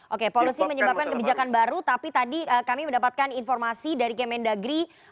oke polusi menyebabkan kebijakan baru tapi tadi kami mendapatkan informasi dari kemendagri